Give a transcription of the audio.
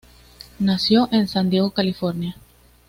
Nació en San Diego, California.